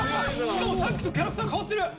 しかもさっきとキャラクター替わってる！